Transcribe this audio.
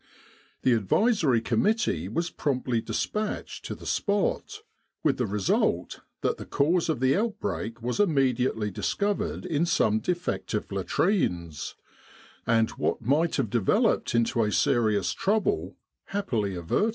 The Advisory Com mittee was promptly despatched to the spot, with the result that the cause of the outbreak was immediately discovered in some defective latrines, and what might have developed into a serious trouble happily averted.